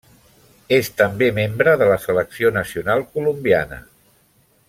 És també membre de la selecció nacional colombiana.